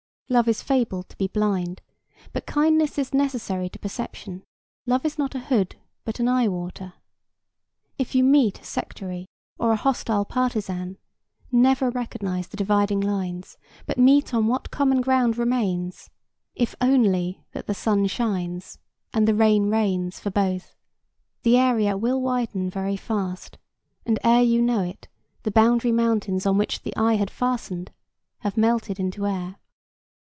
Love is fabled to be blind, but kindness is necessary to perception; love is not a hood, but an eye water. If you meet a sectary or a hostile partisan, never recognize the dividing lines, but meet on what common ground remains,—if only that the sun shines and the rain rains for both; the area will widen very fast, and ere you know it, the boundary mountains on which the eye had fastened have melted into air.